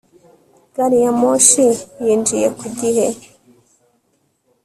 gari ya moshi yinjiye ku gihe